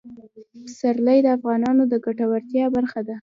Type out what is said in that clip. پسرلی د افغانانو د ګټورتیا برخه ده.